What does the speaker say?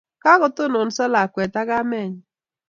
Kagotononso lakwet ago mamaenyi